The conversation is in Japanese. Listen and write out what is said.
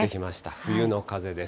冬の風です。